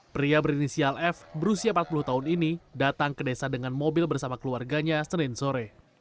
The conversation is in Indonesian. pria berinisial f berusia empat puluh tahun ini datang ke desa dengan mobil bersama keluarganya senin sore